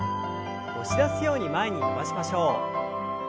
押し出すように前に伸ばしましょう。